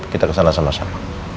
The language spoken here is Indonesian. kita kesana sama sama